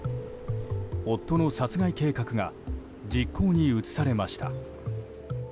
夫の殺害計画が実行に移されました。